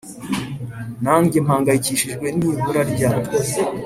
nange mpangayikishijwe nibura rye."